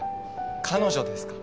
彼女ですか？